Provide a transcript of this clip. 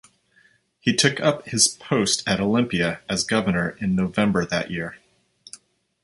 He took up his post at Olympia as governor in November that year.